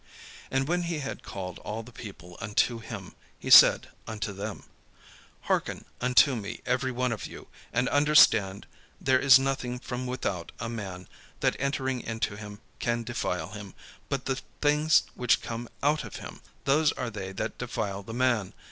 And when he had called all the people unto him, he said unto them: "Hearken unto me every one of you, and understand: there is nothing from without a man, that entering into him can defile him: but the things which come out of him, those are they that defile the man.